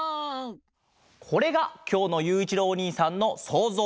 これがきょうのゆういちろうおにいさんのそうぞう。